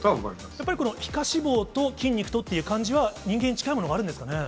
やっぱりこの皮下脂肪と筋肉とっていう感じは、人間に近いものがあるんですかね？